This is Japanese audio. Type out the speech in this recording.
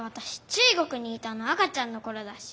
中国にいたの赤ちゃんのころだし。